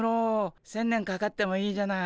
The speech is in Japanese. １，０００年かかってもいいじゃない。